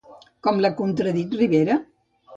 Com l'ha contradit Rivera?